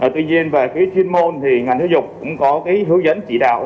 tuy nhiên về phía chuyên môn thì ngành giáo dục cũng có hướng dẫn chỉ đạo